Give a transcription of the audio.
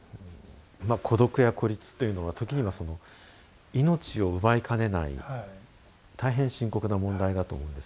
孤独や孤立というのは時には命を奪いかねない大変深刻な問題だと思うんですね。